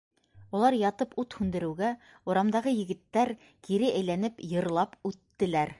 Улар ятып ут һүндереүгә, урамдағы егеттәр кире әйләнеп йырлап үттеләр.